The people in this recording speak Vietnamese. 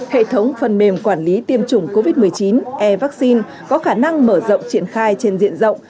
hệ thống phần mềm quản lý tiêm chủng covid một mươi chín e vaccine có khả năng mở rộng triển khai trên diện rộng